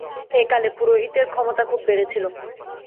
এ-কালে পুরোহিতের ক্ষমতা খুব বেড়েছিল।